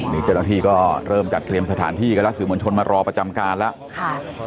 นี่เจ้าหน้าที่ก็เริ่มจัดเตรียมสถานที่กันแล้วสื่อมวลชนมารอประจำการแล้วค่ะ